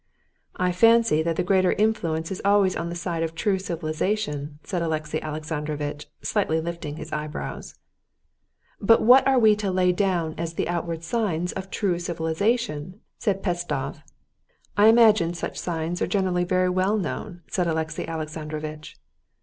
"I fancy that the greater influence is always on the side of true civilization," said Alexey Alexandrovitch, slightly lifting his eyebrows. "But what are we to lay down as the outward signs of true civilization?" said Pestsov. "I imagine such signs are generally very well known," said Alexey Alexandrovitch.